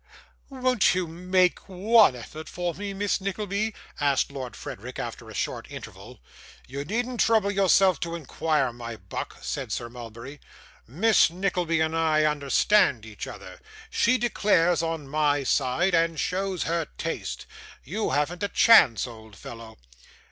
'Won't you ma ake one effort for me, Miss Nickleby?' asked Lord Frederick, after a short interval. 'You needn't trouble yourself to inquire, my buck,' said Sir Mulberry; 'Miss Nickleby and I understand each other; she declares on my side, and shows her taste. You haven't a chance, old fellow.